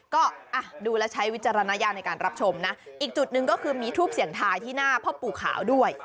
ก็ดูแล้วใช้วิจารณายาในการรับชมนะ